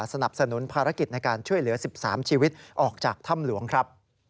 สนับสนุนภารกิจในการช่วยเหลือ๑๓ชีวิตออกจากถ้ำหลวงครับ